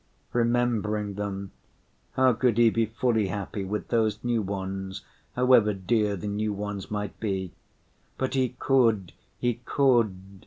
Remembering them, how could he be fully happy with those new ones, however dear the new ones might be? But he could, he could.